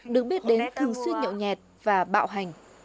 được biết đến thường xuyên nhậu nhẹt và bạo hành